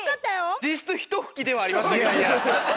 実質ひと吹きではありましたけど。